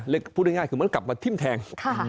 พูดง่ายคือมันกลับมาทิ้มแทง